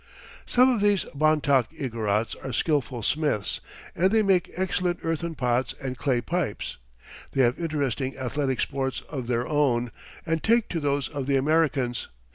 ] Some of these Bontoc Igorots are skilful smiths, and they make excellent earthen pots and clay pipes. They have interesting athletic sports of their own and take to those of the Americans.